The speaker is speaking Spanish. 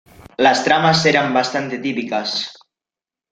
Las tramas eran bastante típicas.